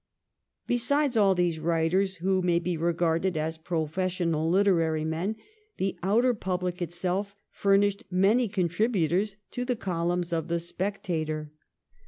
Besides all these writers, who may be regarded as professional literary men, the outer public itself furnished many contributors to the columns of ' The Spectator.'